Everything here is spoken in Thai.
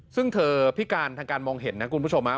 ซึ่งเธอพิการทางการมองเห็นนะคุณผู้ชม